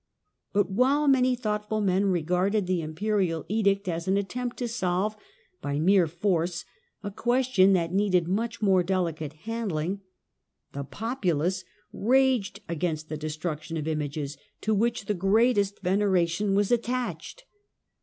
But while many thoughtful men regarded the Imperial edict as an attempt to solve by mere force a question th.it needed much more delicate handling, the populace raged against the destruction of images, to which the greatest veneration was attached.